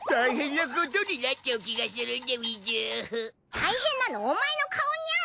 大変なのお前の顔ニャン！